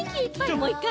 もう１かい！